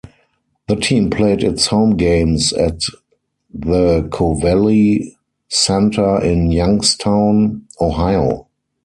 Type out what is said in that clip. The team played its home games at the Covelli Centre in Youngstown, Ohio.